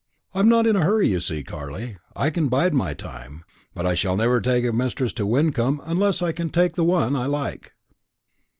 I'm not in a hurry, you see, Carley; I can bide my time; but I shall never take a mistress to Wyncomb unless I can take the one I like."